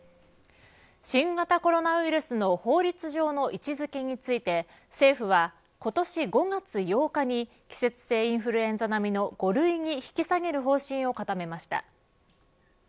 新型コロナウイルスの法律上の位置付けについて政府は今年５月８日に季節性インフルエンザ並みの５類に引き下げる方針を固めました。